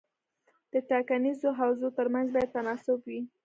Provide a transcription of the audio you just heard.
د ټاکنیزو حوزو ترمنځ باید تناسب وي.